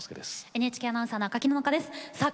ＮＨＫアナウンサーの赤木野々花です。